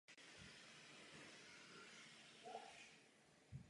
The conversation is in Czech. V současnosti tak představuje největšího známého jedince teropodního dinosaura vůbec.